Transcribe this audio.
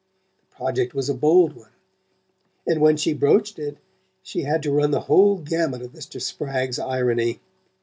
The project was a bold one, and when she broached it she had to run the whole gamut of Mr. Spragg's irony.